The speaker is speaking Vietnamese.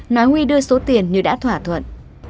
nói huy đưa số tiền như đã thỏa thuận